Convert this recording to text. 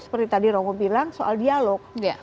seperti tadi romo bilang soal dialog